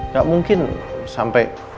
gak mungkin sampai